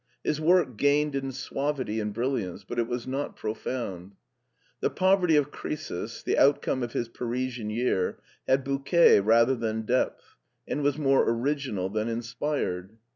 His work gained in suavity and brilliance, but it was not pro found. " The Poverty of Croesus,'' the outcome of his Parisian year, had bouquet rather than depth, and was more original than inspired.